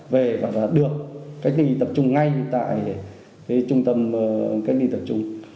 về và được cách ly tập trung ngay tại trung tâm cách ly tập trung